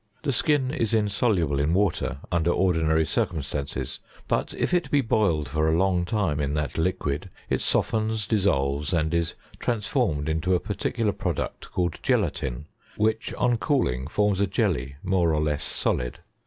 The skin is insoluble in water, under ordinary circumstances ; but if it be boiled for a long time in that liquid, it softens, dissolves, and is transformed into a par ' ticular product called gelatine, which on cooling forms a jelly more or less solid.